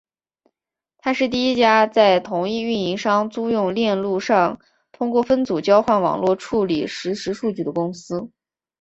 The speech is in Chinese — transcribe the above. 她是第一家在同一运营商租用链路上通过分组交换网络处理实时数据的公司。